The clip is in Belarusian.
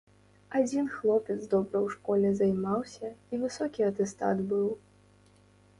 Адзін хлопец добра ў школе займаўся і высокі атэстат быў.